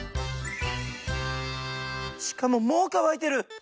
しかももう乾いてる！